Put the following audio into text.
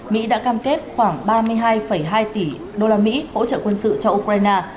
mỹ đã cam kết khoảng ba mươi hai hai tỷ đô la mỹ hỗ trợ quân sự cho ukraine